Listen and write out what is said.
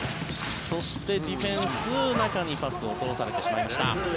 そして、ディフェンス中にパスを通されてしまいました。